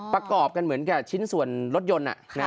ประกอบกันเหมือนกับชิ้นส่วนรถยนต์